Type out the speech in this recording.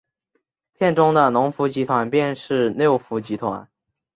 片中的龙福集团便是六福集团。